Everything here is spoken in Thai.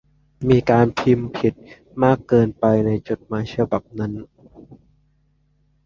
มีการพิมพ์ผิดมากเกินไปในจดหมายฉบับนั้น